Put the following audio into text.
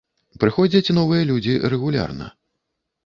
Прыходзяць новыя людзі рэгулярна.